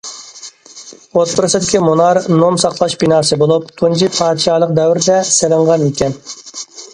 ئوتتۇرىسىدىكى مۇنار نوم ساقلاش بىناسى بولۇپ، تۇنجى پادىشاھلىق دەۋرىدە سېلىنغان ئىكەن.